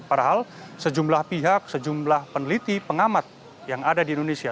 padahal sejumlah pihak sejumlah peneliti pengamat yang ada di indonesia